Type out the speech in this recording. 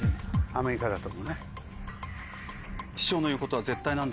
アメリカだと思うね。